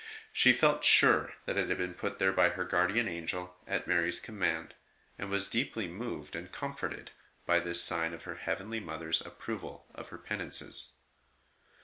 She felt sure that it had been put there by her guardian angel at Mary s command, and was deeply moved and PENITENTIAL PRACTICES OF HER GIRLHOOD 89 comforted by this sign of her heavenly Mother s approval of her penances.